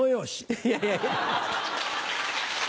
いやいや。